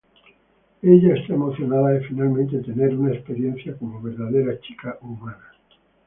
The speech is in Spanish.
Ella está emocionada de finalmente tener una experiencia como verdadera chica humana.